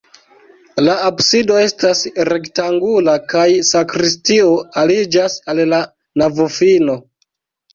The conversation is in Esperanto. La absido estas rektangula kaj sakristio aliĝas al la navofino.